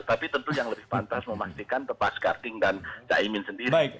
tapi tentu yang lebih pantas memastikan pak skarding dan caimin sendiri